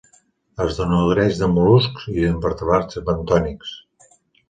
Es nodreix de mol·luscs i d'invertebrats bentònics.